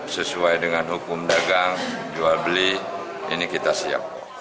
sesuai dengan hukum dagang jual beli ini kita siap